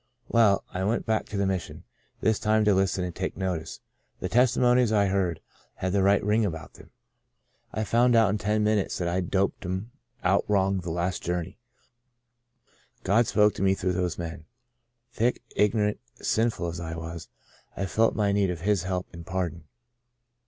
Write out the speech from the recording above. Well, I went back to the Mission — this time to listen and take notice. The testimonies I heard had the right ring about them. I found out in ten minutes that I'd doped 'em out wrong the last journey. God spoke to me through those men. Thick, ignorant, sinful as I was, I felt my need of His help and pardon.